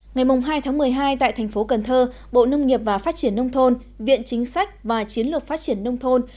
ngày hai một mươi hai tại tp cn bộ nông nghiệp và phát triển nông thôn viện chính sách và chiến lược phát triển nông thôn